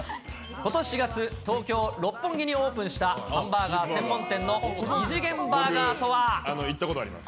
ことし４月、東京・六本木にオープンしたハンバーガー専門店の異次元バーガーとは。